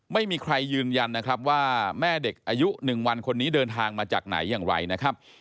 ไม่มีใครยืนยันนะครับว่าแม่เด็กอายุ๑วันคนนี้เดินทางมาจากไหนอย่างไรนะครับ